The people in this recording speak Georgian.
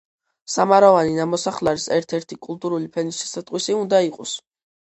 სამაროვანი ნამოსახლარის ერთ-ერთი კულტურული ფენის შესატყვისი უნდა იყოს.